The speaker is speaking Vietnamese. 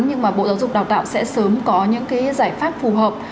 nhưng mà bộ giáo dục đào tạo sẽ sớm có những cái giải pháp phù hợp